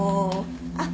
あっ